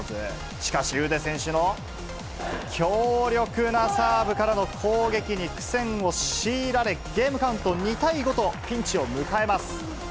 しかし、ウデ選手の強力なサーブからの攻撃に苦戦を強いられ、ゲームカウント２対５とピンチを迎えます。